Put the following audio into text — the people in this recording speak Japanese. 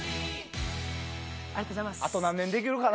ありがとうございます。